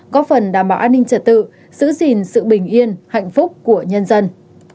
có phần đảm bảo an ninh trật tự giữ gìn sự bình yên hạnh phúc của nhân dân